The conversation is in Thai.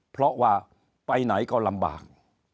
เพราะว่าไปไหนก็ลำบาก